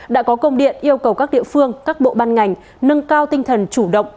đã có công điện yêu cầu các địa phương các bộ ban ngành nâng cao tinh thần chủ động